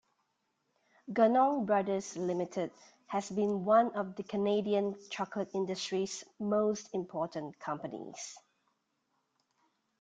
Ganong Brothers Limited has been one of the Canadian chocolate industry's most important companies.